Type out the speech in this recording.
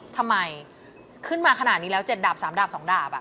ทำไมขึ้นมาขนาดนี้แล้ว๗ดาบ๓ดาบ๒ดาบ